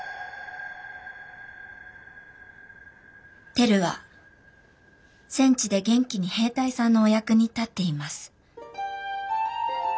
テルは戦地で元気に兵隊さんのお役に立っています。